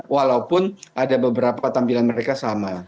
walaupun ada beberapa tampilan mereka sama